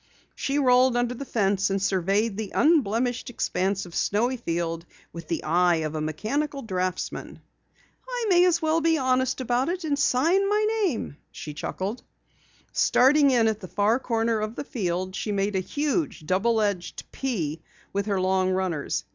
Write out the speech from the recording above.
She rolled under the fence and surveyed the unblemished expanse of snowy field with the eye of a mechanical draftsman. "I may as well be honest about it and sign my name," she chuckled. Starting in at the far corner of the field she made a huge double edged "P" with her long runners.